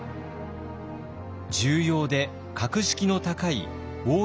重要で格式の高い応永